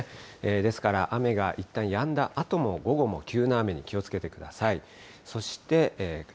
ですから、雨がいったんやんだあとも、午後も急な雨に気をつけてください。